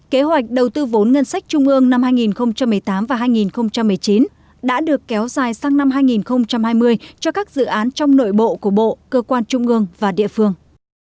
kế hoạch đầu tư vốn ngân sách trung ương năm hai nghìn một mươi tám và hai nghìn một mươi chín đã được kéo dài sang năm hai nghìn hai mươi cho các dự án trong nội bộ của bộ cơ quan trung ương và địa phương